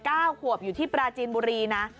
เก้าขวบอยู่ที่ปราจีนบุรีนะ